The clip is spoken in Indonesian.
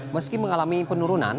meski mengalami penurunan